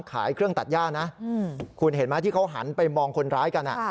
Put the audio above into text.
ขายเครื่องตัดย่านะคุณเห็นไหมที่เขาหันไปมองคนร้ายกัน